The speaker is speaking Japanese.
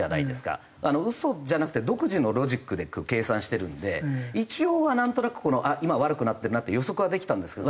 嘘じゃなくて独自のロジックで計算してるんで一応はなんとなく今悪くなってるなって予測はできたんですけど。